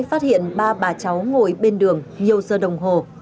phát hiện ba bà cháu ngồi bên đường nhiều giờ đồng hồ